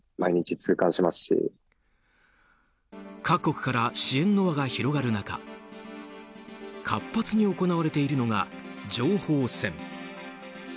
各国から支援の輪が広がる中活発に行われているのが情報戦。